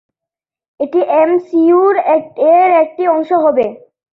এটি এমসিইউ এর একটি অংশ হবে।